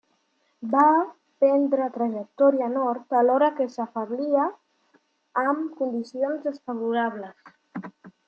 Va prendre trajectòria nord alhora que s'afeblia amb condicions desfavorables.